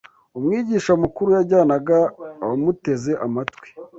Umwigisha Mukuru yajyanaga abamuteze amatwi